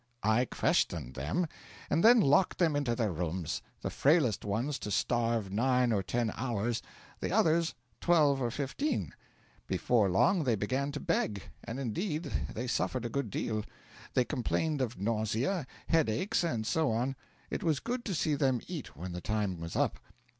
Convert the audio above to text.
I questioned them, and then locked them into their rooms the frailest ones to starve nine or ten hours, the others twelve or fifteen. Before long they began to beg; and indeed they suffered a good deal. They complained of nausea, headache, and so on. It was good to see them eat when the time was up.